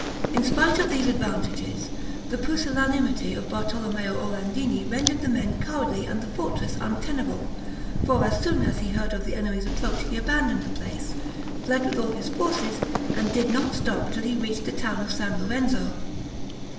In spite of these advantages, the pusillanimity of Bartolomeo Orlandini rendered the men cowardly and the fortress untenable; for as soon as he heard of the enemy's approach he abandoned the place, fled with all his forces, and did not stop till he reached the town of San Lorenzo.